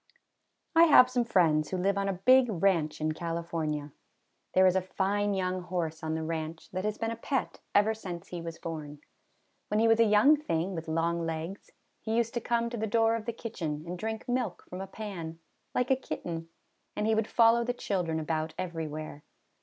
I have some friends who live on a big ranch in California. There is a fine young horse on the ranch, that has been a pet ever since he was born. When he was a young thing with long legs, he used to come to the door of the kitchen and drink milk from a pan, like a kitten; and he would follow the children about every where.